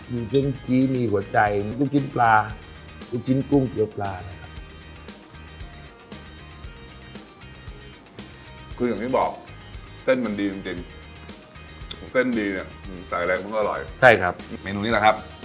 มีเครื่องจี๊มีหัวใจลูกจิ้นปลาลูกจิ้นกุ้งเตี๊ยวปลานะครับ